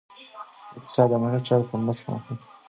اقتصاد د مالي چارو په مرسته پرمختګ کوي.